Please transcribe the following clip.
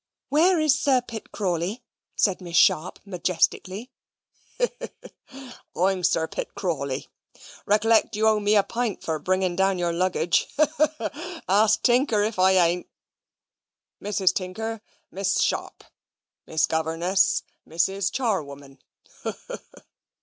"Where is Sir Pitt Crawley?" said Miss Sharp majestically. "He, he! I'm Sir Pitt Crawley. Reklect you owe me a pint for bringing down your luggage. He, he! Ask Tinker if I aynt. Mrs. Tinker, Miss Sharp; Miss Governess, Mrs. Charwoman.